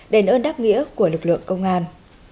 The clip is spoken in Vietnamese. đền ơn đáp nghĩa của lực lượng công an